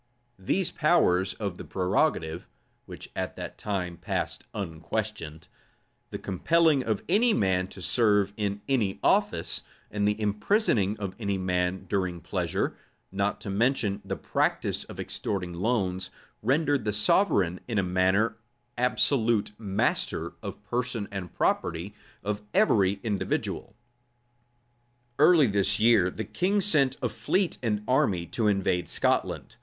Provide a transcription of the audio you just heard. [] These powers of the prerogative, (which at that time passed unquestioned,) the compelling of any man to serve in any office, and the imprisoning of any man during pleasure, not to mention the practice of extorting loans, rendered the sovereign in a manner absolute master of the person and property of every individual. Early this year the king sent a fleet and army to invade Scotland.